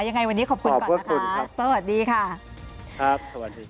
ยังไงวันนี้ขอบคุณก่อนนะคะสวัสดีค่ะครับสวัสดีค่ะ